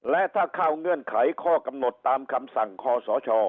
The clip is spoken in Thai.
และถ้าเข้าเงื่อนไขข้อกำหนดตามคำสั่งคอสช